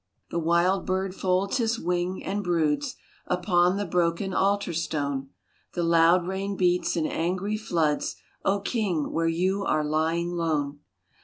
The wild bird folds his wing, and broods Upon the broken altar stone : The loud rain beats in angry floods, O King, where you are lying lone.